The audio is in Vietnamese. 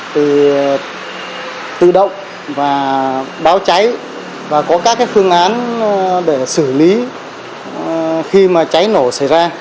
từ tự động và báo cháy và có các phương án để xử lý khi mà cháy nổ xảy ra